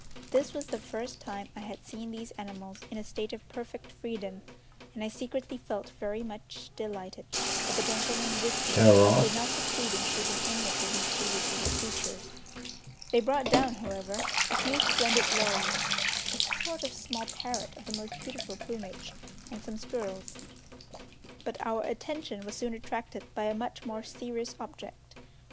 This was the first time I had seen these animals in a state of perfect freedom, and I secretly felt very much delighted that the gentlemen with me did not succeed in shooting any of the mischievous little creatures: they brought down, however, a few splendid lories (a sort of small parrot of the most beautiful plumage) and some squirrels. But our attention was soon attracted by a much more serious object.